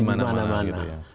ada di mana mana gitu ya